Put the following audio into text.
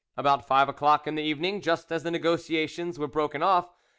About five o'clock in the evening, just as the negotiations were broken off, M.